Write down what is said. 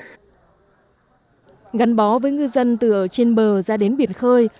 ngắn bó với ngư dân từ trên bờ ra đến biển khơi